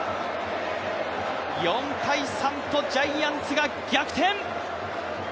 ４−３とジャイアンツが逆転！